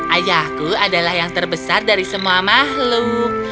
ayahku adalah yang terbesar dari semua makhluk